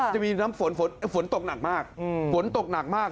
จะมีน้ำฝนฝนตกหนักมากฝนตกหนักมาก